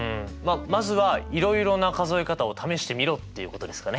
まずはいろいろな数え方を試してみろっていうことですかね。